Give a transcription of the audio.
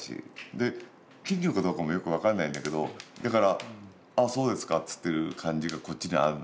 で金魚かどうかもよく分からないんだけどだからあっそうですかっつってる感じがこっちにはある。